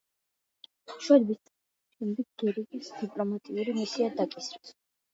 შვედების წასვლის შემდეგ გერიკეს დიპლომატიური მისია დააკისრეს.